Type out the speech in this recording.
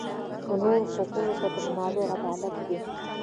د نورو حقونو ته درناوی عدالت دی.